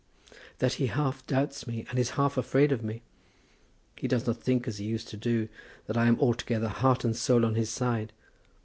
"That he half doubts me, and is half afraid of me. He does not think as he used to do, that I am altogether, heart and soul, on his side.